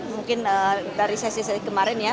mungkin dari sesi sesi kemarin ya